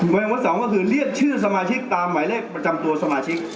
วิธีปฏิวัติ๒ก็คือเรียกชื่อสมาชิกตามไว้เลขประจำตัวสมาชิก